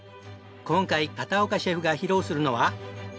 今回片岡シェフが披露するのは。